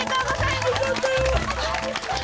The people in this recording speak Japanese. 良かったよ！